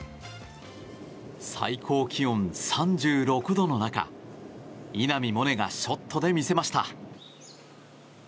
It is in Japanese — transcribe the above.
最高気温３６度の中稲見萌寧がショットで魅せました。